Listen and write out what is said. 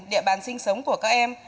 địa bàn sinh sống của các em